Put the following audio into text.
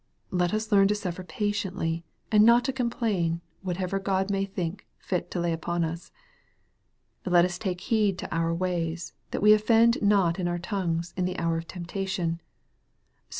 Let us learn to suffer patiently, and not to complain, whatever God may think fit to lay upon us. Let us take heed to our ways, that we offend not in our tongues, in the hour of temptation. (Psal.